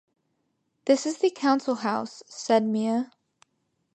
“This is the Council House,” said Mia.